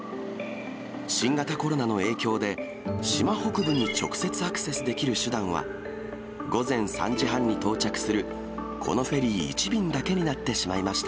新型コロナの影響で、島北部に直接アクセスできる手段は、午前３時半に到着するこのフェリー１便だけになってしまいました。